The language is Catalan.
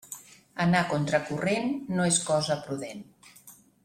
Anar contra corrent no és cosa prudent.